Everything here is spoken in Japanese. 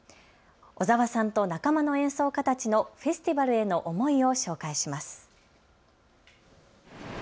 小澤さんと仲間の演奏家たちのフェスティバルへの思いを紹介します。